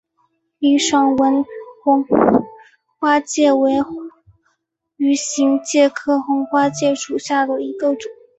林爽文红花介为鱼形介科红花介属下的一个种。